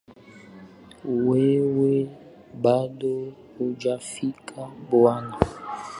Wewe bado hujafika bwana